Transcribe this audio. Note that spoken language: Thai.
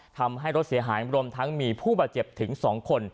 ทำให้รถเสียหายรวมทั้งมีผู้บาดเจ็บถึง๒คน